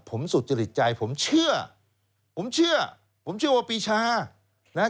ผมสุจริตใจผมเชื่อผมเชื่อผมเชื่อว่าปีชานะฮะ